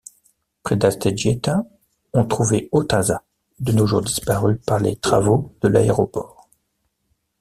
Près d'Astegieta on trouvait Otaza, de nos jours disparu par les travaux de l'Aéroport.